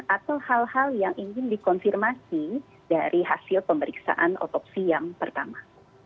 atau hal hal yang ingin dikonfirmasi dari hasil pemeriksaan otopsi yang pertama